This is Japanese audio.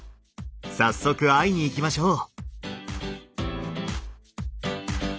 早速会いに行きましょう。